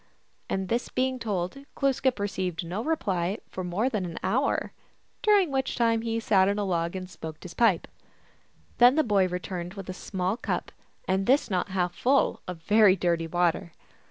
And this being told, Glooskap received no reply for more i:in im hour, during which time he sat on a log and lokecl his pipe. Then the boy returned with a small up, and this not half full, of very dirty water.